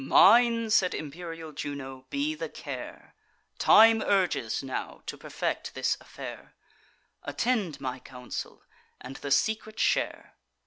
"Mine," said imperial Juno, "be the care; Time urges, now, to perfect this affair: Attend my counsel, and the secret share.